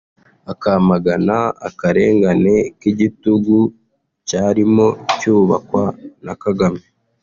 akamagana akarengane n’igitugu cyarimo cyubakwa na Kagame